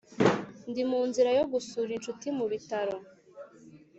ndi munzira yo gusura inshuti mubitaro